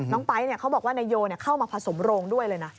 ไป๊เขาบอกว่านายโยเข้ามาผสมโรงด้วยเลยนะ